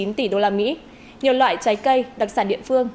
nhiều loại trái cây đặc sản địa phương